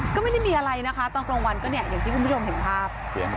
ก็ไม่ได้มีอะไรนะคะตอนกลางวันก็เนี่ยอย่างที่คุณผู้ชมเห็นภาพ